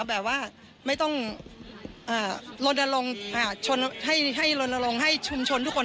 แบบว่าไม่ต้องอ่าลดลงค่ะชนให้ให้ลดลงให้ชุมชนทุกคน